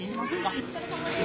お疲れさまです。